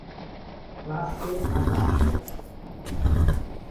Classe Asashio